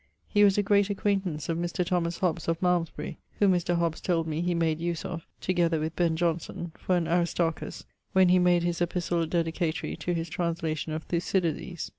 He was a great acquaintance of Mr. Thomas Hobbes of Malmesbury, whom Mr. Hobbes told me he made use of (together with Ben Johnson) for an Aristarchus, when he made his Epistle Dedicatory to his translation of Thucydides.